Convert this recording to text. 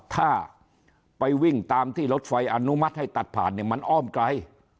ถ้าไปวิ่งตามที่รถไฟอนุมัติให้ตัดผ่านเนี่ยมันอ้อมไกล